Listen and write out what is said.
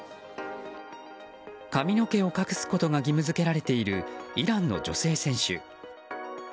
髪の毛を隠すことが義務付けられているイランの女性選手。